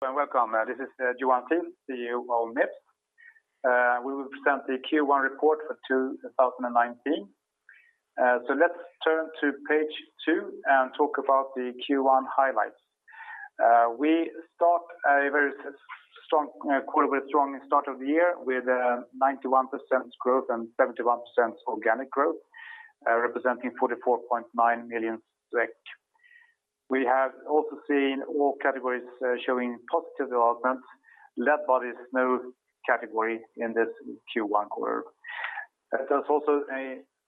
Welcome. This is Johan Thiel, CEO of Mips. We will present the Q1 report for 2019. Let's turn to page two and talk about the Q1 highlights. We start a very strong quarter with a strong start of the year with a 91% growth and 71% organic growth, representing 44.9 million SEK. We have also seen all categories showing positive development, led by the snow category in this Q1 quarter. That has also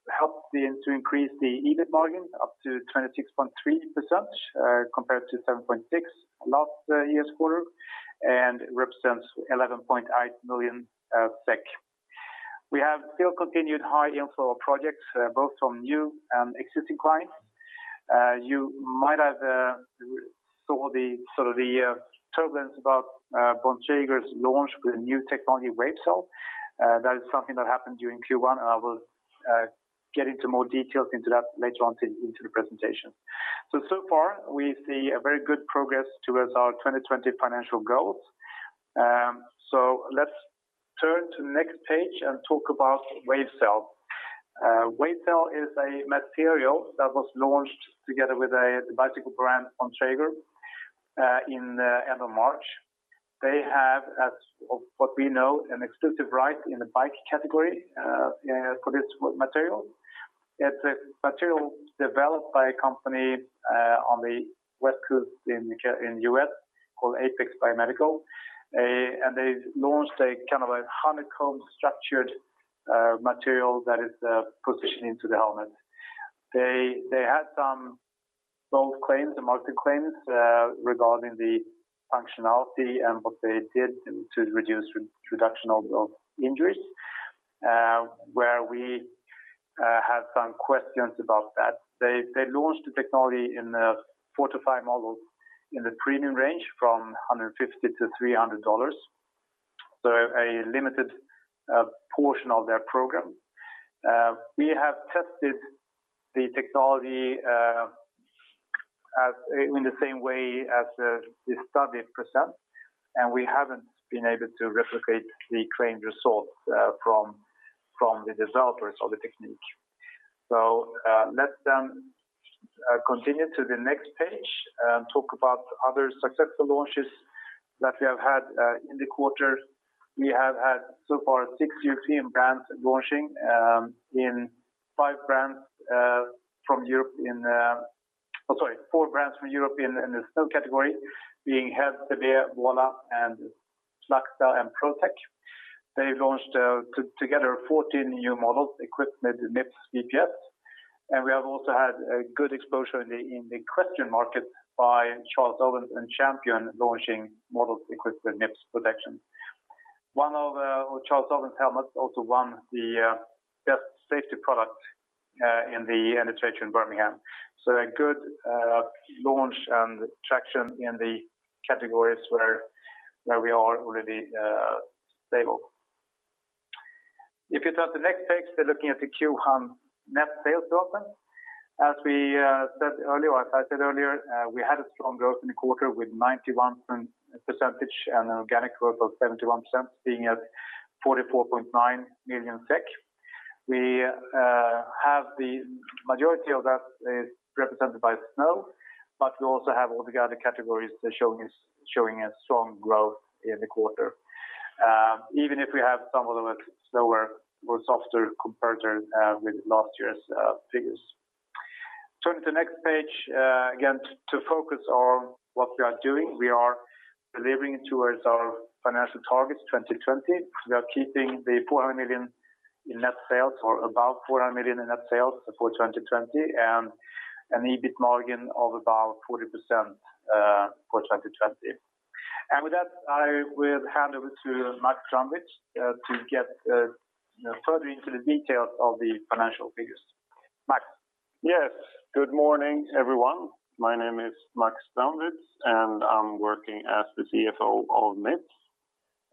helped to increase the EBIT margin up to 26.3% compared to 7.6% last year's quarter, and represents 11.8 million SEK. We have still continued high inflow of projects, both from new and existing clients. You might have saw the turbulence about Bontrager's launch with a new technology, WaveCel. That is something that happened during Q1, and I will get into more details into that later on into the presentation. So far, we see a very good progress towards our 2020 financial goals. Let's turn to the next page and talk about WaveCel. WaveCel is a material that was launched together with a bicycle brand, Bontrager, in the end of March. They have, as of what we know, an exclusive right in the bike category, for this material. It's a material developed by a company on the West Coast in the U.S. called Apex Biomedical. They've launched a honeycomb structured material that is positioned into the helmet. They had some bold claims and market claims regarding the functionality and what they did to reduce reduction of injuries, where we have some questions about that. They launched the technology in the four to five models in the premium range from $150 to $300. So a limited portion of their program. We have tested the technology in the same way as the study presents, and we haven't been able to replicate the claimed results from the developers of the technique. Let's then continue to the next page and talk about other successful launches that we have had in the quarter. We have had so far six European brands launching in five brands from Europe in four brands from Europe in the snow category, being Head, Cébé, Uvex, and Slingshot and Pro-Tec. They've launched together 14 new models equipped with Mips BPS. We have also had a good exposure in the equestrian market by Charles Owen and Champion launching models equipped with Mips protection. One of Charles Owen's helmets also won the best safety product in The National Equine Show in Birmingham. So a good launch and traction in the categories where we are already stable. If you turn to the next page, we're looking at the Q1 net sales development. As I said earlier, we had a strong growth in the quarter with 91% and organic growth of 71% being at 44.9 million SEK. The majority of that is represented by snow, but we also have all the other categories showing a strong growth in the quarter. Even if we have some of the slower or softer compared with last year's figures. Turn to the next page again to focus on what we are doing. We are delivering towards our financial targets 2020. We are keeping the 400 million in net sales or above 400 million in net sales for 2020 and an EBIT margin of about 40% for 2020. With that, I will hand over to Max Strandwitz to get further into the details of the financial figures. Max? Yes. Good morning, everyone. My name is Max Strandwitz, and I am working as the CFO of Mips.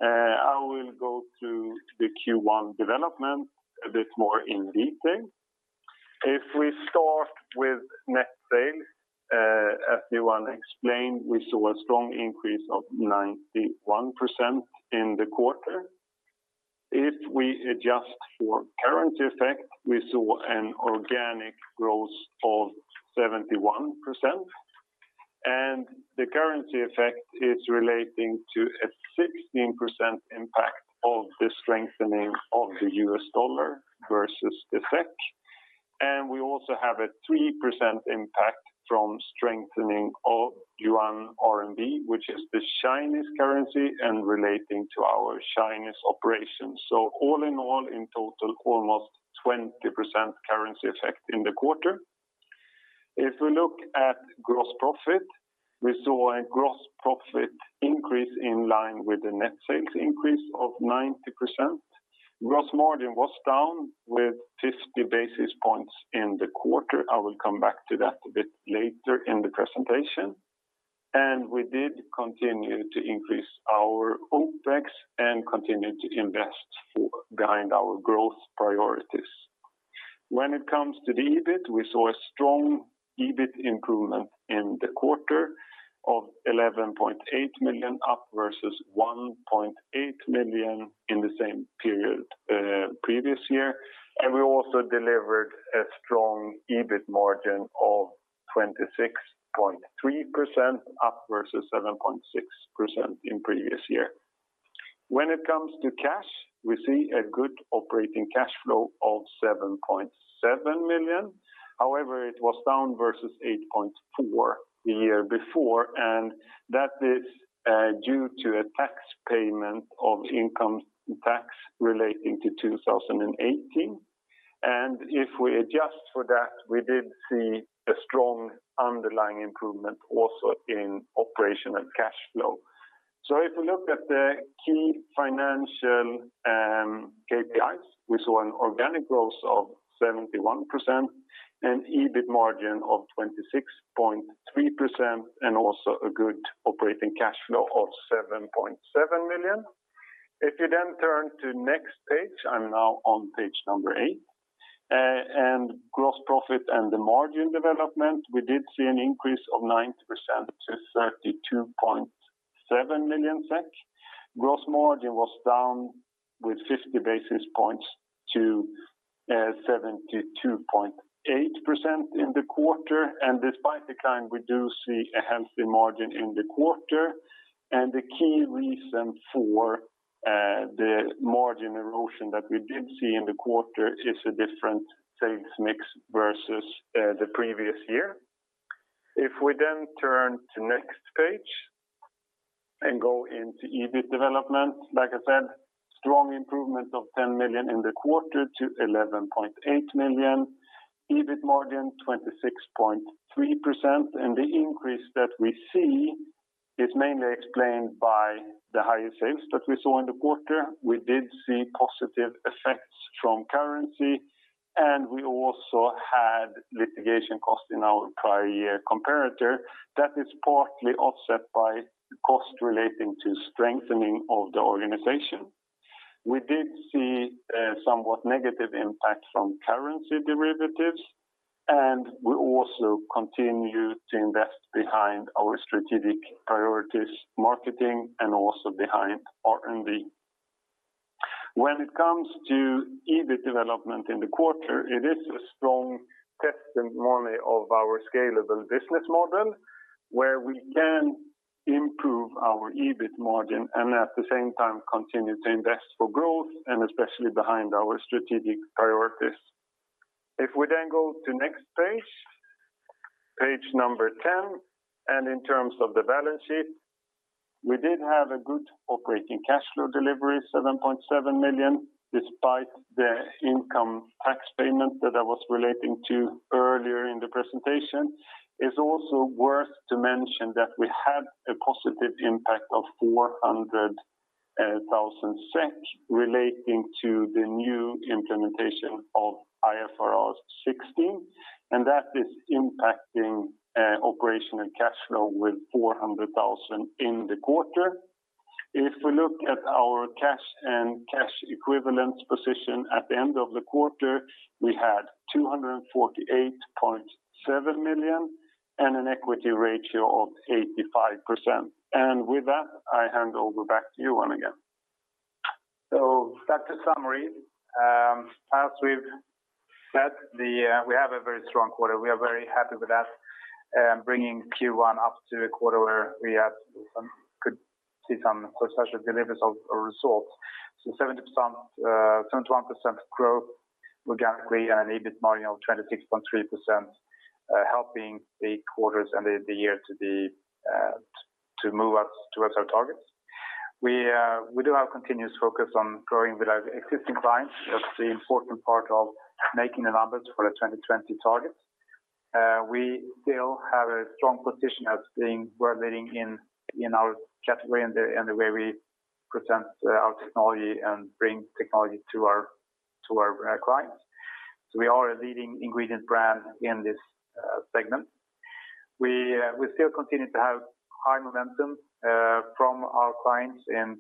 I will go through the Q1 development a bit more in detail. If we start with net sales, as Johan Thiel explained, we saw a strong increase of 91% in the quarter. If we adjust for currency effect, we saw an organic growth of 71%. The currency effect is relating to a 16% impact of the strengthening of the US dollar versus the SEK. We also have a 3% impact from strengthening of yuan RMB, which is the Chinese currency and relating to our Chinese operations. All in all, in total, almost 20% currency effect in the quarter. If we look at gross profit, we saw a gross profit increase in line with the net sales increase of 90%. Gross margin was down with 50 basis points in the quarter. I will come back to that a bit later in the presentation. We did continue to increase our OpEx and continue to invest behind our growth priorities. When it comes to the EBIT, we saw a strong EBIT improvement in the quarter of 11.8 million, up versus 1.8 million in the same period previous year. We also delivered a strong EBIT margin of 26.3%, up versus 7.6% in previous year. When it comes to cash, we see a good operating cash flow of 7.7 million. However, it was down versus 8.4 million the year before, and that is due to a tax payment of income tax relating to 2018. If we adjust for that, we did see a strong underlying improvement also in operational cash flow. If we look at the key financial KPIs, we saw an organic growth of 71% and EBIT margin of 26.3%, and also a good operating cash flow of 7.7 million. If you then turn to next page, I am now on page number eight. Gross profit and the margin development, we did see an increase of 9% to 32.7 million SEK. Gross margin was down with 50 basis points to 72.8% in the quarter. Despite the decline, we do see a healthy margin in the quarter. The key reason for the margin erosion that we did see in the quarter is a different sales mix versus the previous year. If we then turn to next page and go into EBIT development, like I said, strong improvement of 10 million in the quarter to 11.8 million, EBIT margin 26.3%. The increase that we see is mainly explained by the higher sales that we saw in the quarter. We did see positive effects from currency. We also had litigation costs in our prior year comparator that is partly offset by the cost relating to strengthening of the organization. We did see a somewhat negative impact from currency derivatives. We also continue to invest behind our strategic priorities, marketing, and also behind R&D. When it comes to EBIT development in the quarter, it is a strong testament, mainly, of our scalable business model, where we can improve our EBIT margin and at the same time continue to invest for growth and especially behind our strategic priorities. If we then go to next page 10, and in terms of the balance sheet, we did have a good operating cash flow delivery, 7.7 million, despite the income tax payment that I was relating to earlier in the presentation. It is also worth to mention that we had a positive impact of 400,000 SEK relating to the new implementation of IFRS 16, and that is impacting operational cash flow with 400,000 in the quarter. If we look at our cash and cash equivalents position at the end of the quarter, we had 248.7 million and an equity ratio of 85%. And with that, I hand over back to you, Johan, again. Back to summary. As we have said, we have a very strong quarter. We are very happy with that, bringing Q1 up to a quarter where we could see some substantial deliveries of results. 71% growth organically and an EBIT margin of 26.3%, helping the quarters and the year to move up towards our targets. We do have continuous focus on growing with our existing clients. That is the important part of making the numbers for the 2020 targets. We still have a strong position as being, we are leading in our category and the way we present our technology and bring technology to our clients. We are a leading ingredient brand in this segment. We still continue to have high momentum from our clients in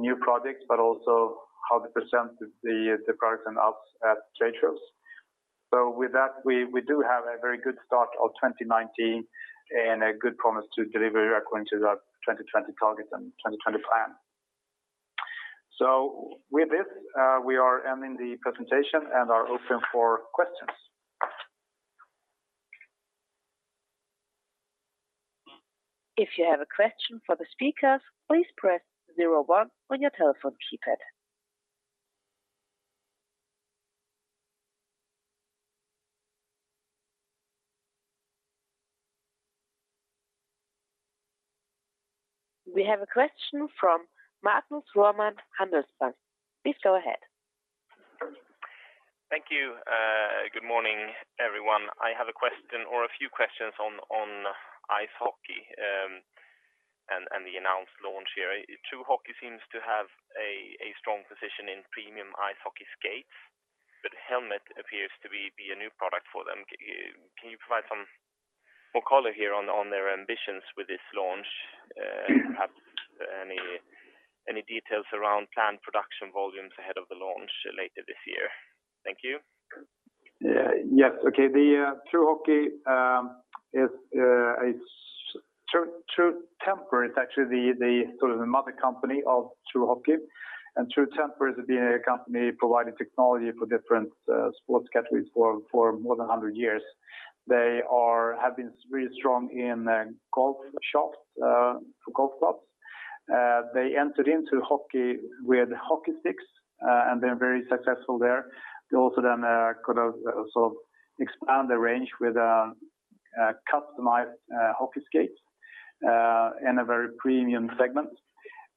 new products, but also how they present the products and us at trade shows. With that, we do have a very good start of 2019 and a good promise to deliver according to that 2020 target and 2020 plan. With this, we are ending the presentation and are open for questions. If you have a question for the speakers, please press 01 on your telephone keypad. We have a question from Magnus Råman, Handelsbanken. Please go ahead. Thank you. Good morning, everyone. I have a question or a few questions on ice hockey and the announced launch here. True Hockey seems to have a strong position in premium ice hockey skates. Helmet appears to be a new product for them. Can you provide some more color here on their ambitions with this launch? Any details around planned production volumes ahead of the launch later this year? Thank you. Yes, okay. True Temper is actually the mother company of True Hockey. True Temper is a company providing technology for different sports categories for more than 100 years. They have been really strong in golf shops for golf clubs. They entered into hockey with hockey sticks. They're very successful there. They also could also expand their range with customized hockey skates in a very premium segment.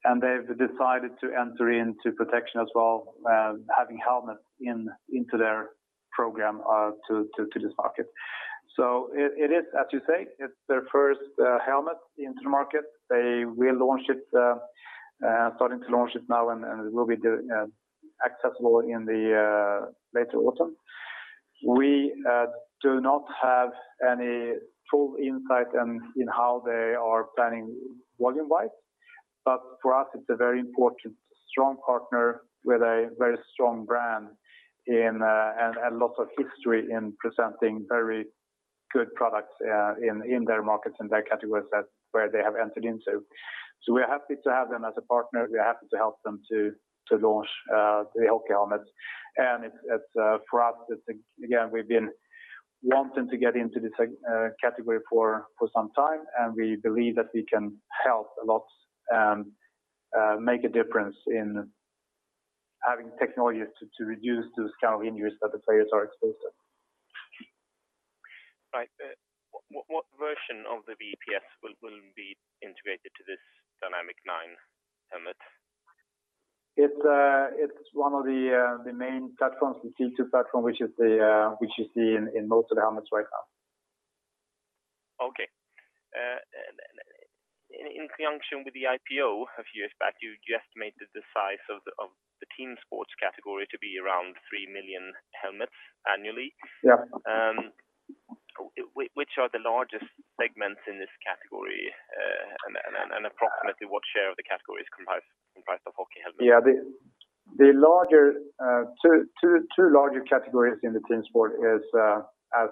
They've decided to enter into protection as well, having helmets into their program to this market. It is, as you say, it's their first helmet into the market. They will launch it, starting to launch it now. It will be accessible in the later autumn. We do not have any full insight in how they are planning volume-wise. For us, it's a very important, strong partner with a very strong brand. A lot of history in presenting very good products in their markets and their categories that where they have entered into. We are happy to have them as a partner. We are happy to help them to launch the hockey helmets. For us, again, we've been wanting to get into this category for some time. We believe that we can help a lot and make a difference in having technology to reduce those kind of injuries that the players are exposed to. Right. What version of the BPS will be integrated to this Dynamic 9 helmet? It's one of the main platforms, the C2 platform, which you see in most of the helmets right now. Okay. In conjunction with the IPO a few years back, you estimated the size of the team sports category to be around 3 million helmets annually. Yeah. Which are the largest segments in this category? Approximately what share of the category is comprised of hockey helmets? Yeah. The 2 larger categories in the team sport in our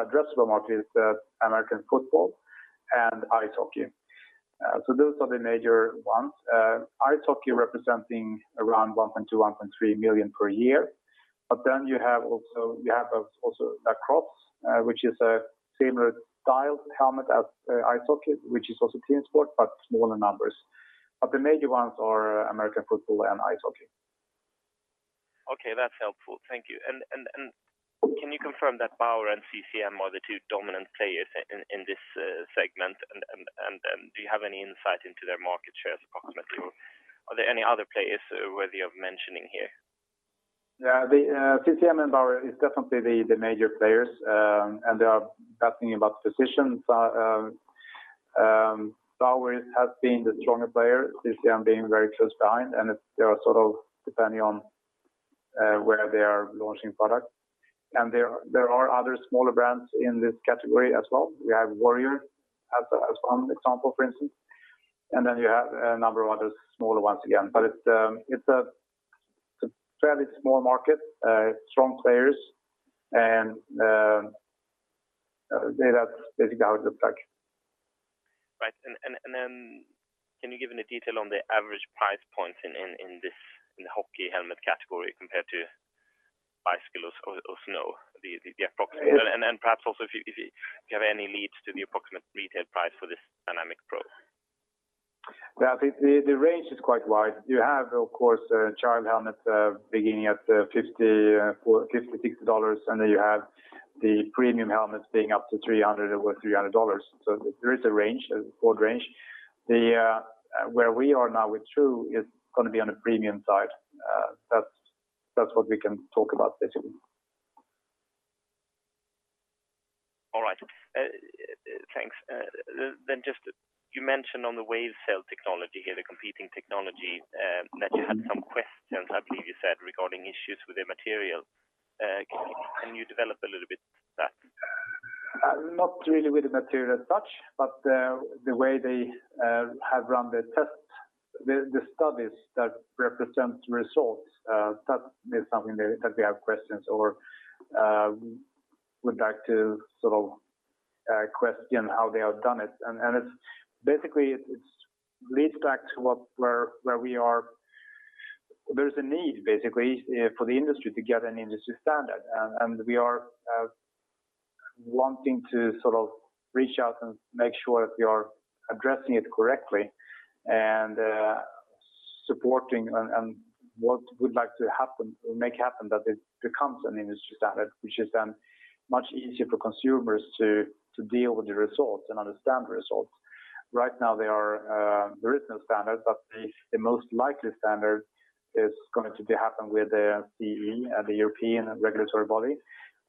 addressable market is American football and ice hockey. Those are the major ones. Ice hockey representing around 1.2 million, 1.3 million per year. You have also lacrosse, which is a similar style helmet as ice hockey, which is also team sport, but smaller numbers. The major ones are American football and ice hockey. Okay, that's helpful. Thank you. Can you confirm that Bauer and CCM are the two dominant players in this segment, and do you have any insight into their market shares approximately? Are there any other players worthy of mentioning here? Yeah. CCM and Bauer is definitely the major players, they are battling it about for positions. Bauer has been the stronger player, CCM being very close behind, they are sort of depending on where they are launching product. There are other smaller brands in this category as well. We have Warrior as one example, for instance, then you have a number of other smaller ones again. It's a fairly small market, strong players, that's basically how it looks like. Right. Can you give any detail on the average price point in the hockey helmet category compared to bicycle or snow, the approximate? Perhaps also if you have any leads to the approximate retail price for this Dynamic Pro. The range is quite wide. You have, of course, child helmets, beginning at $50, $60, and then you have the premium helmets being up to $300. There is a range, a broad range. Where we are now with True is going to be on the premium side. That's what we can talk about, basically. Just, you mentioned on the WaveCel technology, the competing technology, that you had some questions, I believe you said, regarding issues with their material. Can you develop a little bit that? Not really with the material as such, but the way they have run the tests, the studies that represent results, that is something that we have questions or would like to sort of question how they have done it. Basically, it leads back to where we are. There is a need, basically, for the industry to get an industry standard, and we are wanting to sort of reach out and make sure that we are addressing it correctly and supporting and what we'd like to make happen, that it becomes an industry standard, which is then much easier for consumers to deal with the results and understand the results. Right now, there is no standard, but the most likely standard is going to be happen with the CE and the European regulatory body,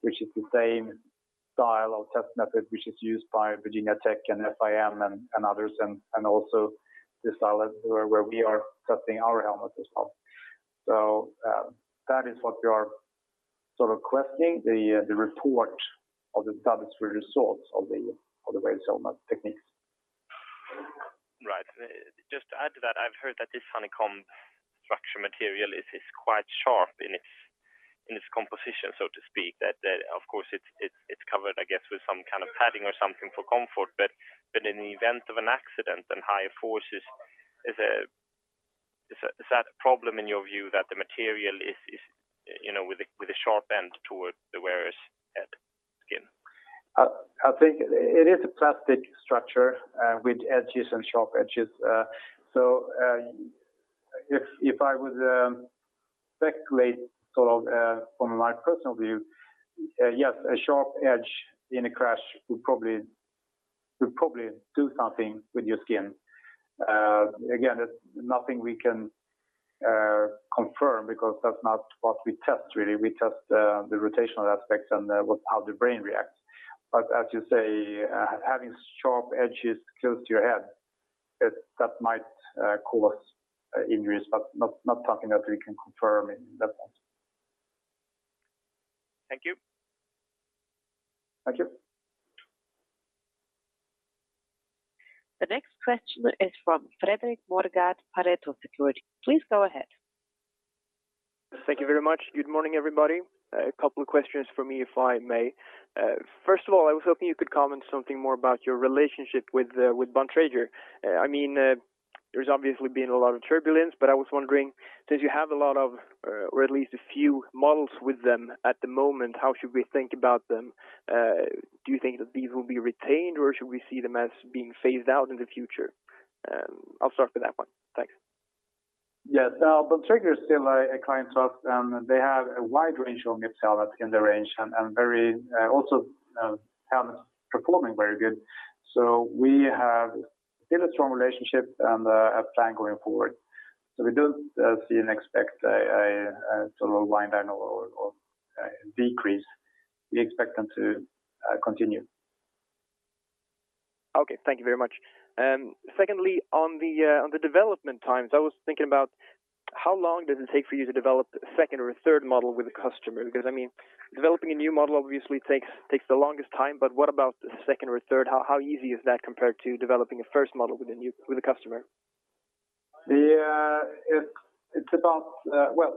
which is the same style of test method which is used by Virginia Tech and FIM and others, and also the style where we are testing our helmets as well. That is what we are requesting the report of the statutory results of the various helmet techniques. Right. Just to add to that, I've heard that this honeycomb structure material is quite sharp in its composition, so to speak. That of course it's covered, I guess, with some kind of padding or something for comfort. In the event of an accident and higher forces, is that a problem in your view that the material is with a sharp end toward the wearer's head skin? I think it is a plastic structure, with edges and sharp edges. If I would speculate from my personal view, yes, a sharp edge in a crash would probably do something with your skin. Again, it's nothing we can confirm because that's not what we test really. We test the rotational aspects and how the brain reacts. As you say, having sharp edges close to your head, that might cause injuries, but nothing that we can confirm in that sense. Thank you. Thank you. The next question is from Fredrik Moregård, Pareto Securities. Please go ahead. Thank you very much. Good morning, everybody. A couple of questions from me, if I may. First of all, I was hoping you could comment something more about your relationship with Bontrager. There's obviously been a lot of turbulence, but I was wondering since you have a lot of, or at least a few models with them at the moment, how should we think about them? Do you think that these will be retained or should we see them as being phased out in the future? I'll start with that one. Thanks. Yes. Bontrager is still a client of ours. They have a wide range of Mips helmets in the range and also helmets performing very good. We have still a strong relationship and a plan going forward. We don't see and expect a wind down or a decrease. We expect them to continue. Okay. Thank you very much. Secondly, on the development times, I was thinking about how long does it take for you to develop a second or a third model with a customer? Because developing a new model obviously takes the longest time, but what about the second or third? How easy is that compared to developing a first model with a customer? Well,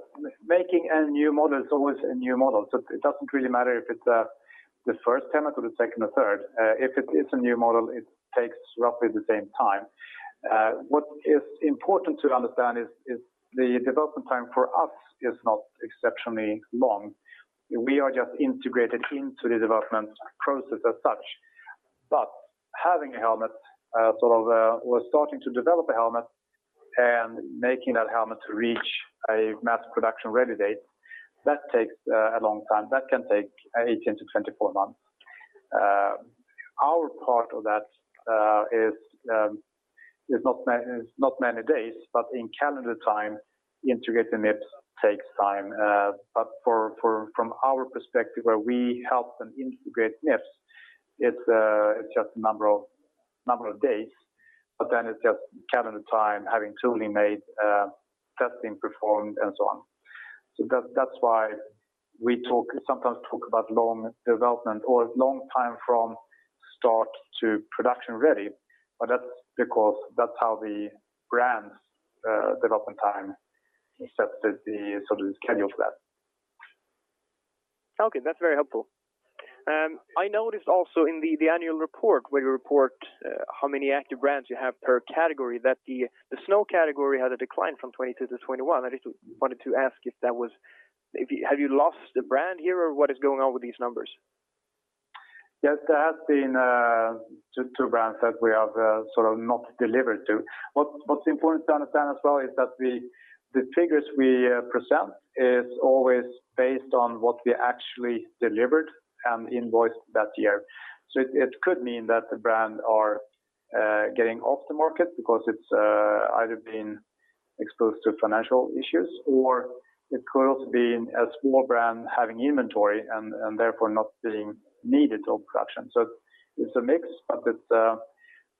making a new model is always a new model. It doesn't really matter if it's the first time or the second or third. If it is a new model, it takes roughly the same time. What is important to understand is the development time for us is not exceptionally long. We are just integrated into the development process as such. Having a helmet, or starting to develop a helmet and making that helmet reach a mass production ready date, that takes a long time. That can take 18-24 months. Our part of that is not many days, but in calendar time, integrating Mips takes time. From our perspective, where we help them integrate Mips, it's just a number of days, but then it's just calendar time, having tooling made, testing performed, and so on. That's why we sometimes talk about long development or long time from start to production ready, that's because that's how the brand's development time sets the schedule for that. Okay. That's very helpful. I noticed also in the annual report where you report how many active brands you have per category, that the snow category had a decline from 22 to 21. I just wanted to ask have you lost a brand here or what is going on with these numbers? Yes. That has been two brands that we have not delivered to. What's important to understand as well is that the figures we present is always based on what we actually delivered and invoiced that year. It could mean that the brand are getting off the market because it's either been exposed to financial issues or it could also be a small brand having inventory and therefore not being needed of production. It's a mix,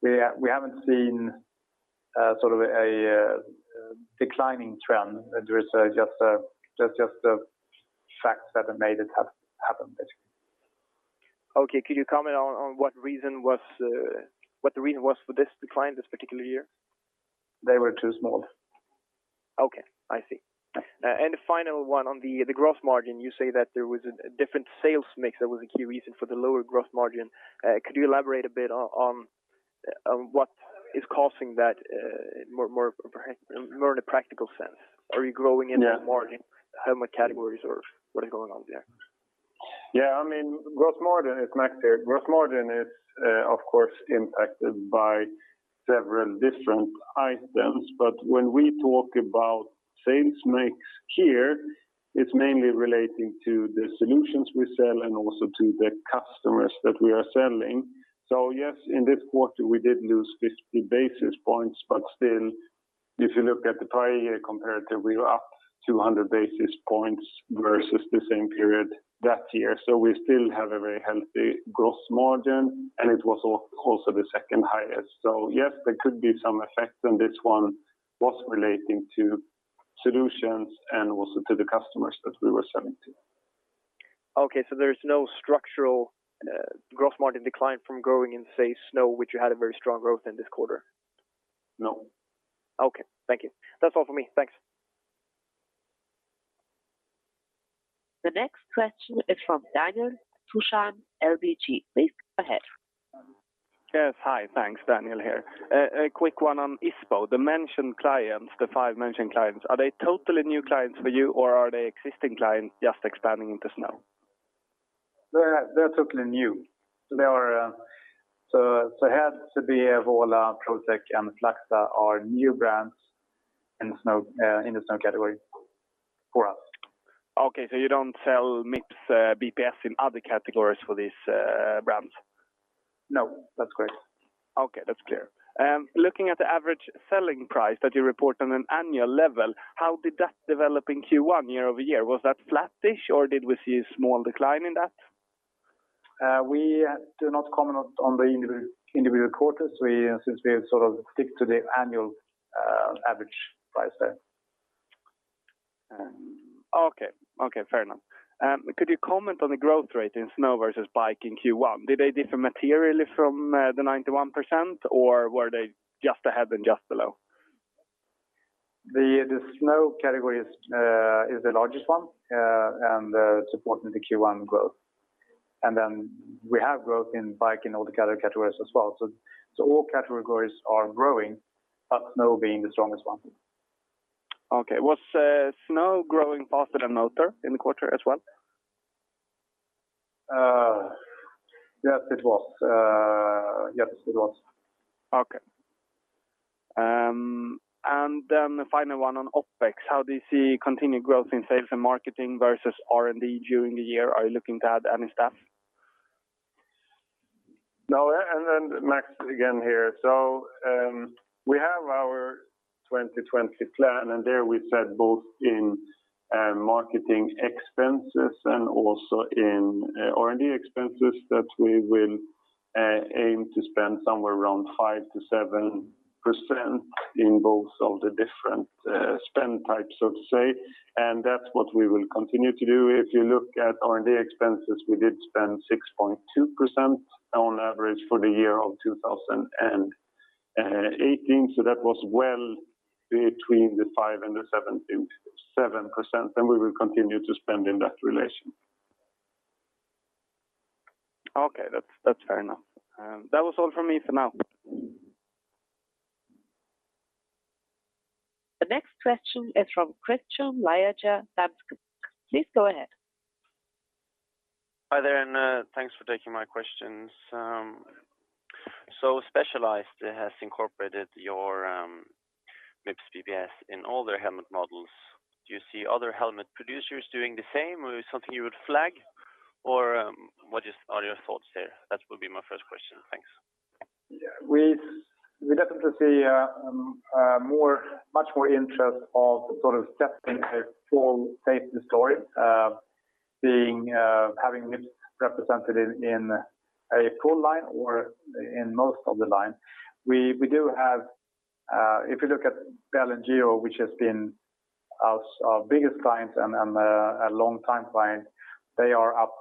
we haven't seen a declining trend. That's just the facts that have made it happen, basically. Okay. Could you comment on what the reason was for this decline this particular year? They were too small. Okay. I see. A final one on the gross margin. You say that there was a different sales mix that was a key reason for the lower gross margin. Could you elaborate a bit on what is causing that more in a practical sense? Are you growing into more helmet categories or what is going on there? Gross margin is of course impacted by several different items, but when we talk about sales mix here, it is mainly relating to the solutions we sell and also to the customers that we are selling. Yes, in this quarter we did lose 50 basis points, but still, if you look at the prior year comparative, we were up 200 basis points versus the same period that year. We still have a very healthy gross margin, and it was also the second highest. Yes, there could be some effect on this one. Was relating to solutions and also to the customers that we were selling to. Okay. There's no structural gross margin decline from growing in, say, snow, which you had a very strong growth in this quarter? No. Okay. Thank you. That's all from me. Thanks. The next question is from Daniel Thorsson, ABG. Please go ahead. Yes. Hi. Thanks. Daniel here. A quick one on ISPO. The five mentioned clients, are they totally new clients for you, or are they existing clients just expanding into snow? They're totally new. Head, Cébé, Thule, Pro-Tec, and Slingshot are new brands in the snow category for us. Okay. You don't sell Mips BPS in other categories for these brands? No. That's correct. Okay. That's clear. Looking at the average selling price that you report on an annual level, how did that develop in Q1 year-over-year? Was that flat-ish, or did we see a small decline in that? We do not comment on the individual quarters since we sort of stick to the annual average price there. Okay. Fair enough. Could you comment on the growth rate in snow versus bike in Q1? Did they differ materially from the 91%, or were they just ahead and just below? The snow category is the largest one and supporting the Q1 growth. Then we have growth in bike and all the other categories as well. All categories are growing, but snow being the strongest one. Okay. Was snow growing faster than motor in the quarter as well? Yes, it was. Okay. The final one on OpEx, how do you see continued growth in sales and marketing versus R&D during the year? Are you looking to add any staff? No, Max again here. We have our 2020 plan, there we said both in marketing expenses and also in R&D expenses that we will aim to spend somewhere around 5%-7% in both of the different spend types, so to say, that's what we will continue to do. If you look at R&D expenses, we did spend 6.2% on average for the year of 2018. That was well between the 5% and 7%. We will continue to spend in that relation. Okay. That's fair enough. That was all from me for now. The next question is from Christian Leija, DNB. Please go ahead. Hi there, thanks for taking my questions. Specialized has incorporated your Mips BPS in all their helmet models. Do you see other helmet producers doing the same, or is something you would flag, or what are your thoughts there? That would be my first question. Thanks. We definitely see much more interest of sort of stepping a full face story, having Mips represented in a full line or in most of the line. If you look at Bell and Giro, which has been our biggest clients and a long-time client, they are up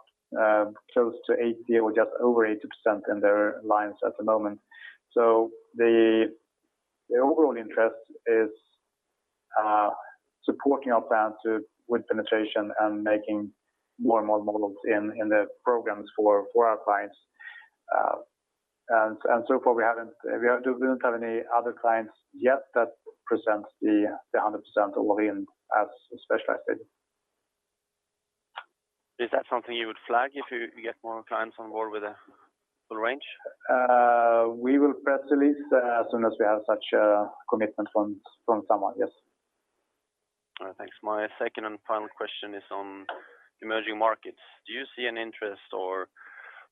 close to 80% or just over 80% in their lines at the moment. The overall interest is supporting our plans with penetration and making more and more models in the programs for our clients. So far, we don't have any other clients yet that presents the 100% volume as Specialized did. Is that something you would flag if you get more clients on board with a full range? We will press release as soon as we have such a commitment from someone, yes. All right. Thanks. My second and final question is on emerging markets. Do you see an interest or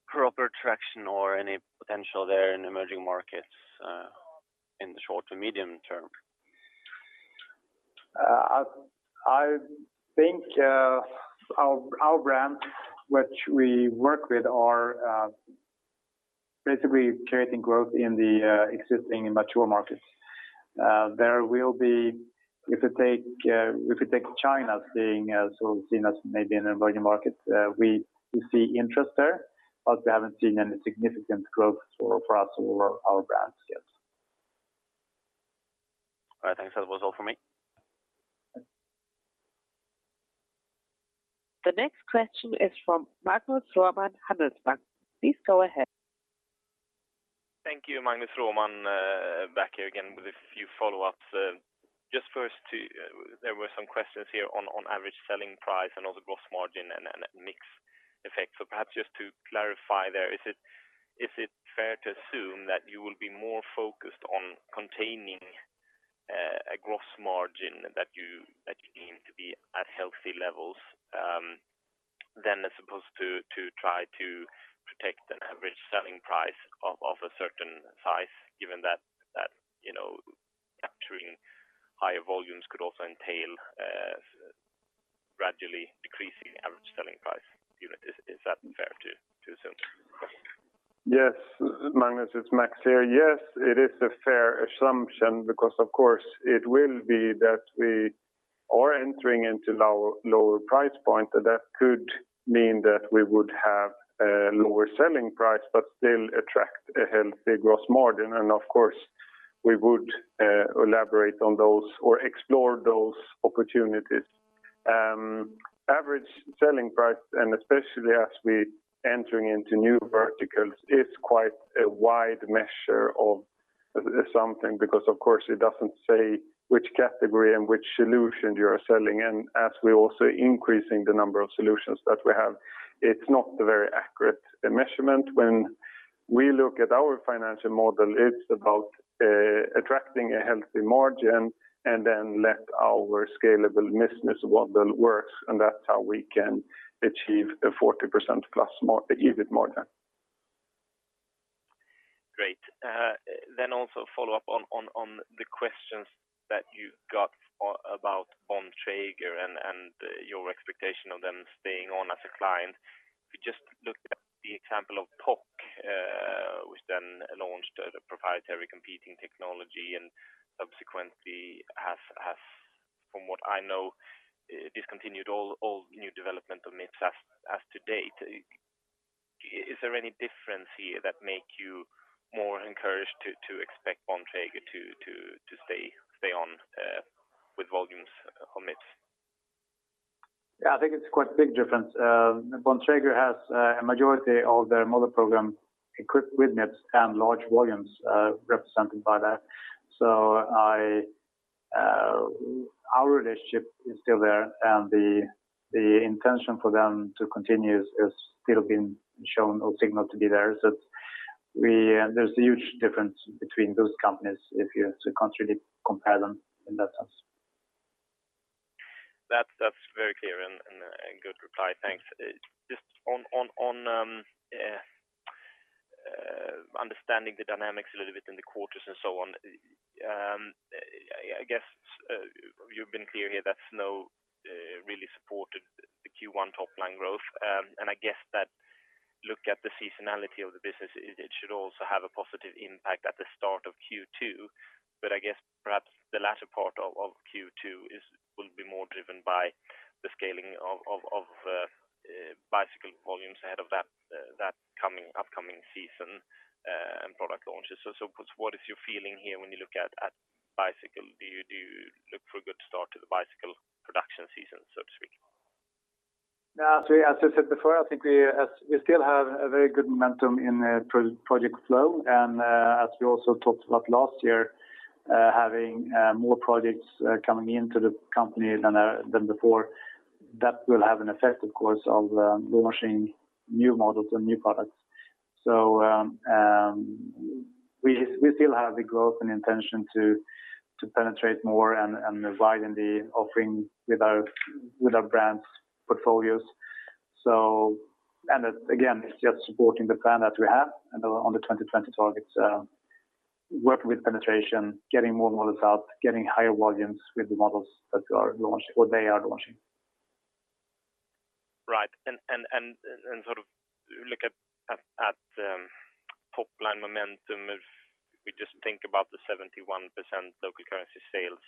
proper traction or any potential there in emerging markets in the short to medium term? I think our brands which we work with are basically creating growth in the existing and mature markets. If we take China as being sort of seen as maybe an emerging market, we see interest there, but we haven't seen any significant growth for us or our brands yet. All right. Thanks. That was all for me. The next question is from Magnus Råman, Handelsbanken. Please go ahead. Thank you. Magnus Råman, back here again with a few follow-ups. Just first, there were some questions here on average selling price and also gross margin and mix effect. Perhaps just to clarify there, is it fair to assume that you will be more focused on containing a gross margin that you deem to be at healthy levels than as opposed to try to protect an average selling price of a certain size, given that capturing higher volumes could also entail gradually decreasing average selling price? Is that fair to assume? Yes. Magnus, it's Max here. Yes, it is a fair assumption because, of course, it will be that we are entering into lower price point. That could mean that we would have a lower selling price but still attract a healthy gross margin. Of course, we would elaborate on those or explore those opportunities. Average selling price, and especially as we entering into new verticals, is quite a wide measure of something, because of course it doesn't say which category and which solution you are selling in. As we're also increasing the number of solutions that we have, it's not a very accurate measurement. When we look at our financial model, it's about attracting a healthy margin and then let our scalable business model work, and that's how we can achieve a 40% plus even margin. Great. Also follow up on the questions that you got about Bontrager and your expectation of them staying on as a client. If you just looked at the example of POC, which then launched a proprietary competing technology and subsequently has, from what I know, discontinued all new development of Mips as to date. Is there any difference here that make you more encouraged to expect Bontrager to stay on with volumes on Mips? I think it's quite a big difference. Bontrager has a majority of their model program equipped with Mips and large volumes represented by that. Our relationship is still there, and the intention for them to continue has still been shown or signaled to be there. There's a huge difference between those companies if you're to compare them in that sense. That's very clear and good reply. Thanks. Just on understanding the dynamics a little bit in the quarters and so on. You've been clear here that snow really supported the Q1 top line growth. Look at the seasonality of the business, it should also have a positive impact at the start of Q2. The latter part of Q2 will be more driven by the scaling of bicycle volumes ahead of that upcoming season and product launches. Of course, what is your feeling here when you look at bicycle? Do you look for a good start to the bicycle production season, so to speak? As I said before, I think we still have a very good momentum in project flow. As we also talked about last year, having more projects coming into the company than before. That will have an effect, of course, of launching new models and new products. We still have the growth and intention to penetrate more and widen the offering with our brands' portfolios. Again, it's just supporting the plan that we have on the 2020 targets. Work with penetration, getting more models out, getting higher volumes with the models that we are launching or they are launching. Right. Look at top line momentum, if we just think about the 71% local currency sales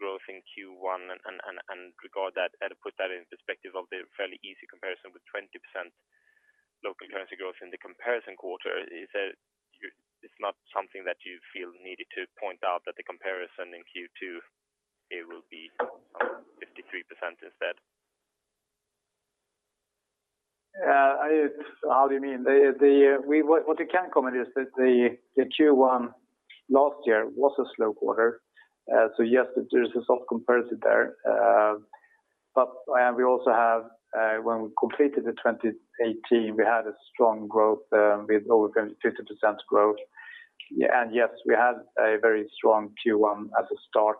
growth in Q1 and regard that and put that in perspective of the fairly easy comparison with 20% local currency growth in the comparison quarter. It's not something that you feel needed to point out that the comparison in Q2, it will be 53% instead? How do you mean? What we can comment is that the Q1 last year was a slow quarter. Yes, there is a soft comparison there. We also have, when we completed the 2018, we had a strong growth with over 50% growth. Yes, we had a very strong Q1 as a start.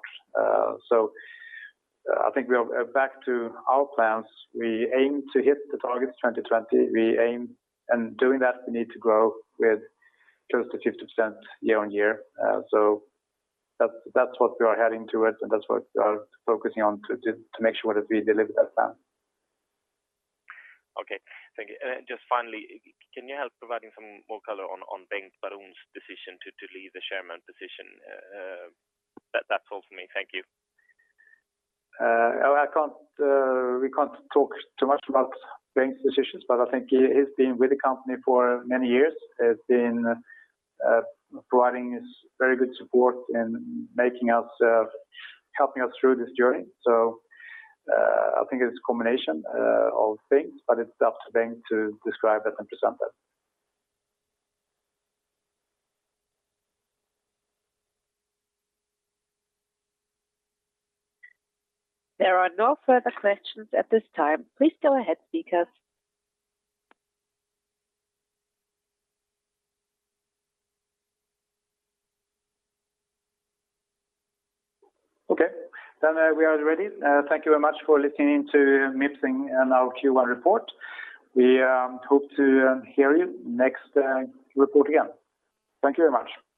I think back to our plans, we aim to hit the targets 2020. We aim and doing that, we need to grow with close to 50% year-on-year. That's what we are heading towards and that's what we are focusing on to make sure that we deliver that plan. Okay. Thank you. Just finally, can you help providing some more color on Bengt Baron's decision to leave the Chairman position? That's all for me. Thank you. We can't talk too much about Bengt's decisions, but I think he has been with the company for many years, has been providing us very good support in helping us through this journey. I think it's a combination of things, but it's up to Bengt to describe that and present that. There are no further questions at this time. Please go ahead, speakers. Okay, we are ready. Thank you very much for listening to Mips and our Q1 report. We hope to hear you next report again. Thank you very much.